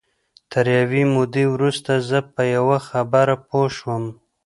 تر یوې مودې وروسته زه په یوه خبره پوه شوم